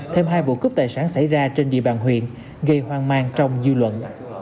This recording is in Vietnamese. thêm hai vụ cướp tài sản xảy ra trên địa bàn huyện gây hoang mang trong dư luận